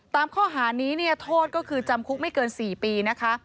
ตามข้อหานี้เนี่ยโทษก็คือจำคุกไม่เกิน๔ปีนะคะ